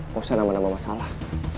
gak usah nama nama masalah